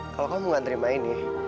kalau kamu gak terima ini